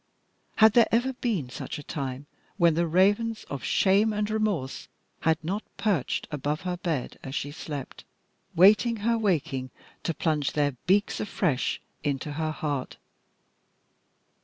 Had there ever been a time when the ravens of shame and remorse had not perched above her bed as she slept, waiting her waking to plunge their beaks afresh into her heart?